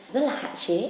rất là hạn chế